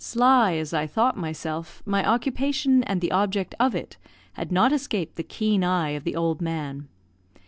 Sly as I thought myself, my occupation and the object of it had not escaped the keen eye of the old man.